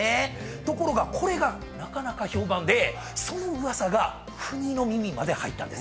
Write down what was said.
ところがこれがなかなか評判でその噂が国の耳まで入ったんです。